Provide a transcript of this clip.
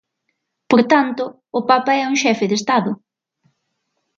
Por tanto, o Papa é un xefe de estado.